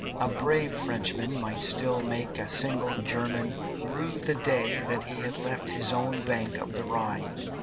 A brave Frenchman might still make a single German rue the day that he had left his own bank of the Rhine.